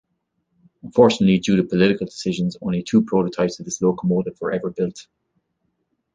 Unfortunately, due to political decisions only two prototypes of this locomotive were ever built.